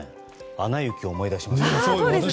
「アナ雪」を思い出します。